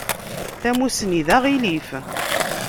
Tamusni d aɣilif.